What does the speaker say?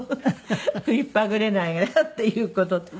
食いっぱぐれないわよっていう事と。